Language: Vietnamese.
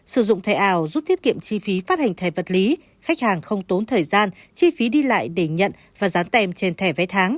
sử dụng thẻ ảo giúp thiết kiệm chi phí phát hành thẻ vật lý khách hàng không tốn thời gian chi phí đi lại để nhận và dán tem trên thẻ vé tháng